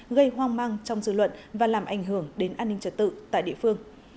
gây hoang mang trong dư luận và làm ảnh hưởng đến an ninh trật tự tại địa phương